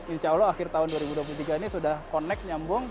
insya allah akhir tahun dua ribu dua puluh tiga ini sudah connect nyambung